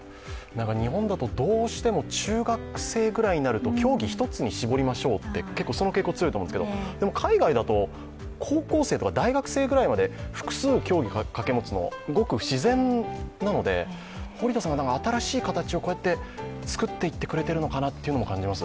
日本だとどうしても中学生くらいになると競技一つに絞りましょうってその傾向が強いと思うんですけれどもでも海外だと高校生、大学生まで複数競技を掛け持つのはごく自然なので、堀田さんが新しい形をこうやって作っていってくれてるのかなとも感じます。